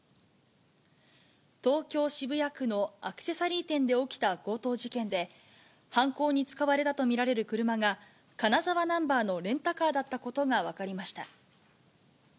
東京・渋谷区のアクセサリー店で起きた強盗事件で、犯行に使われたと見られる車が、金沢ナンバーのレンタカーだったことが分かりました。